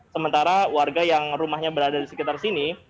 sementara warga yang rumahnya berada di sekitar sini